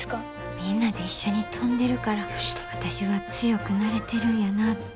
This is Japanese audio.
みんなで一緒に飛んでるから私は強くなれてるんやなって。